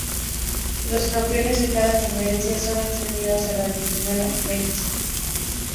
Los campeones de cada conferencia son ascendidos a la Regionalliga West.